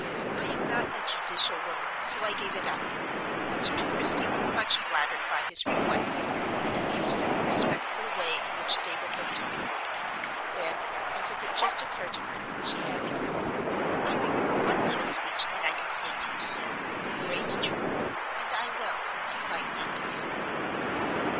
I am not a judicial woman, so I gave it up," answered Christie, much flattered by his request, and amused at the respectful way in which David looked at her. Then, as if it just occurred to her, she added, "I remember one little speech that I can say to you, sir, with great truth, and I will, since you like that play."